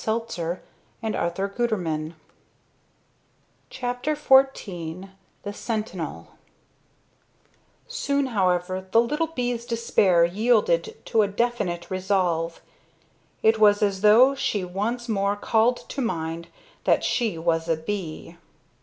CHAPTER XIV THE SENTINEL Soon, however, the little bee's despair yielded to a definite resolve. It was as though she once more called to mind that she was a bee.